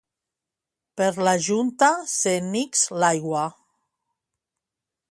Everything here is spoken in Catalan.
Per la junta se n'ix l'aigua.